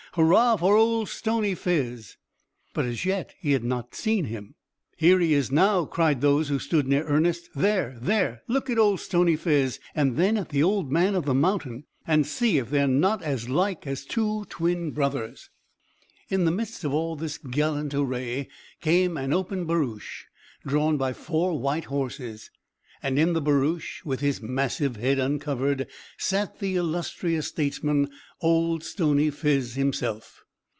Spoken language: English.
Huzza for Old Stony Phiz?" But as yet he had not seen him. "Here he is, now!" cried those who stood near Ernest. "There! There! Look at Old Stony Phiz and then at the Old Man of the Mountain, and see if they are not as like as two twin brothers!" In the midst of all this gallant array, came an open barouche, drawn by four white horses; and in the barouche, with his massive head uncovered, sat the illustrious statesman, Old Stony Phiz himself.